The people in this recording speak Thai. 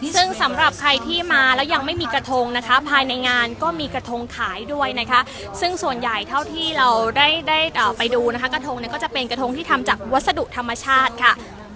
ซึ่งสำหรับใครที่มาแล้วยังไม่มีกระทงนะคะภายในงานก็มีกระทงขายด้วยนะคะซึ่งส่วนใหญ่เท่าที่เราได้ไปดูนะคะกระทงเนี่ยก็จะเป็นกระทงที่ทำจากวัสดุธรรมชาติค่ะ